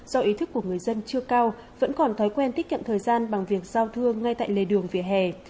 do ý thức của người dân chưa cao vẫn còn thói quen tiết kiệm thời gian bằng việc giao thương ngay tại lề đường vỉa hè